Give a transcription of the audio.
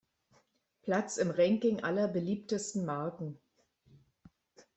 Platz im Ranking aller beliebtesten Marken.